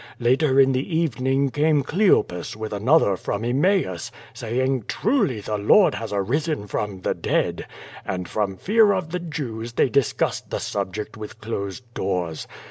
Later in the evening came Cleopas with another from Emmaus, saying 'Truly the Lord has arisen from the dead.' And from fear of the Jews they discussed the subject with closed doors.